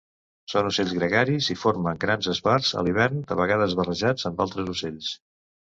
Són ocells gregaris i formen grans esbarts a l'hivern de vegades barrejats amb altres ocells.